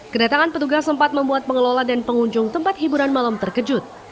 kedatangan petugas sempat membuat pengelola dan pengunjung tempat hiburan malam terkejut